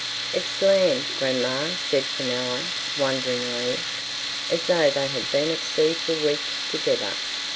"It's land, grandma," said Fenella, wonderingly, as though they had been at sea for weeks together.